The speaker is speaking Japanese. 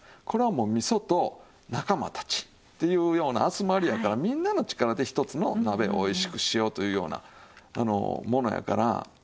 これはもう味噌と仲間たちっていうような集まりやからみんなの力でひとつの鍋をおいしくしようというようなものやから。